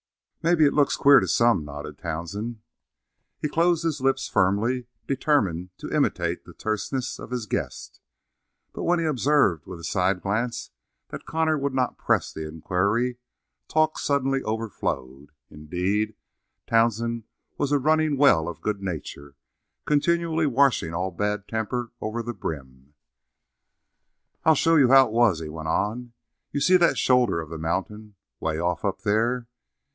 "Maybe it looks queer to some," nodded Townsend. He closed his lips firmly, determined to imitate the terseness of his guest; but when he observed with a side glance that Connor would not press the inquiry, talk suddenly overflowed. Indeed, Townsend was a running well of good nature, continually washing all bad temper over the brim. "I'll show you how it was," he went on. "You see that shoulder of the mountain away off up there?